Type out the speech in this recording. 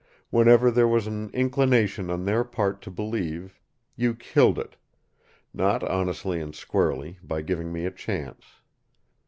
Whenever there was an inclination on their part to believe, you killed it not honestly and squarely, by giving me a chance.